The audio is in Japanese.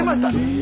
え。